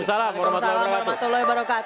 waalaikumsalam warahmatullahi wabarakatuh